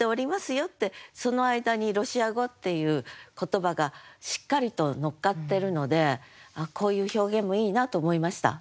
よってその間に「ロシア語」っていう言葉がしっかりと乗っかってるのでこういう表現もいいなと思いました。